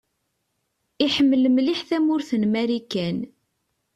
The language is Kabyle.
Iḥemmel mliḥ tamurt n Marikan.